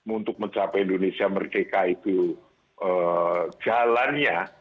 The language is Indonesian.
untuk mencapai indonesia merdeka itu jalannya